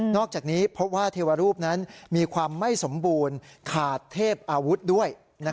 อกจากนี้พบว่าเทวรูปนั้นมีความไม่สมบูรณ์ขาดเทพอาวุธด้วย